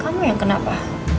kamu yang kenapa